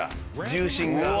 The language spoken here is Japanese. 重心が。